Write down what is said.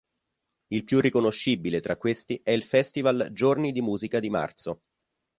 Il più riconoscibile tra questi è il festival "Giorni di musica di Marzo".